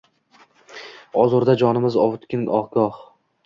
Ozurda jonimiz ovutgin goh-goh.